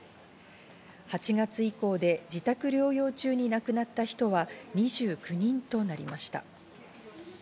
８月以降で自宅療養中に亡くなった人は２９人となりました。